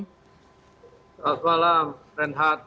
selamat malam renhard